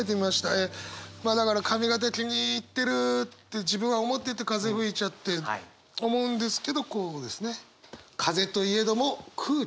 えまあだから髪形気に入ってるって自分は思ってて風吹いちゃって思うんですけどこうですね。